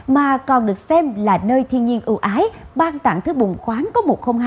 mà còn được xem là nơi thiên nhiên ưu ái ban tặng thứ bùng khoáng có một trăm linh hai